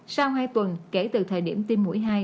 sau hai tuần kể từ thời điểm tiêm mũi hai